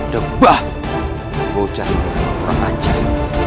debah hujan orang anjir